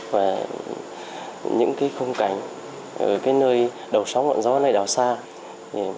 và những không cảnh ở nơi đầu sóng ngọn gió này